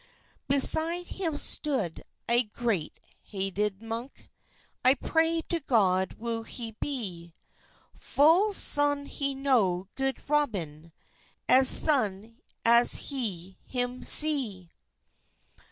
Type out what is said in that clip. Beside hym stode a gret hedid munke, I pray to God woo he be; Full sone he knew gode Robyn As sone as he hym se.